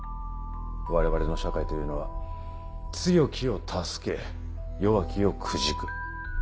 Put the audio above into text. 我々の社会というのは強きを助け弱きをくじく。